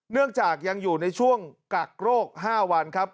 เนื่องจากยังอยู่ในช่วงกักโรค๕วันครับ